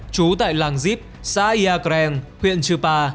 trú tại làng díp xã ia kren huyện chư pa